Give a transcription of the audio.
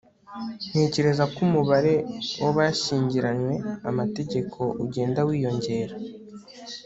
ntekereza ko umubare w'abashyingiranywe-amategeko ugenda wiyongera